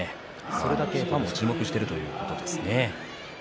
それだけファンも注目しているんですね。